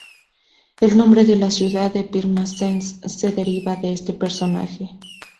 El nombre de la ciudad de Pirmasens se deriva de este personaje.